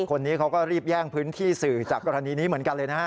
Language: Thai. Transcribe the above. คนนี้เขาก็รีบแย่งพื้นที่สื่อจากกรณีนี้เหมือนกันเลยนะฮะ